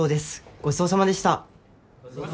ごちそうさまでした！